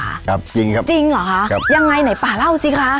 ครับจริงครับจริงครับจริงเหรอฮะยังไงป่าเล่าสิคะ